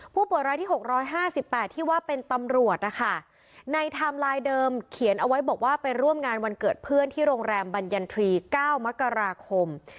ผู้ป่วยรายที่หกร้อยห้าสิบแปดที่ว่าเป็นตำรวจนะคะในไทม์ไลน์เดิมเขียนเอาไว้บอกว่าเป็นร่วมงานวันเกิดเพื่อนที่โรงแรมบัญญันทรีย์เก้ามกราคม